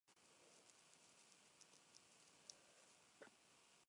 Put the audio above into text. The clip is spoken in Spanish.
Yvette, interpretada por Dominique Blanc, mujer al servicio de Eliane.